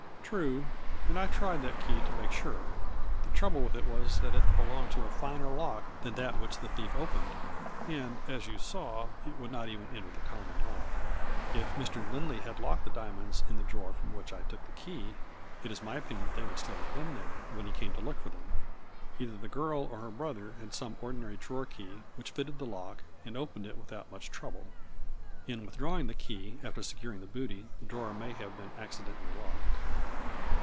" True, and I tried that key to make sure. The trouble with it was that it belonged to a finer lock than that which the thief opened, and, as you saw, it would not even enter the common lock. If Mr. Lindley had locked the diamonds in the drawer from which I took the key, it is my opinion that they would still have been there when he came to look for them. Either the girl or her brother had some ordi nary drawer key which fitted the lock, and opened it without much trouble. In withdraw ing the key, after securing the booty, the drawer may have been accidentally locked."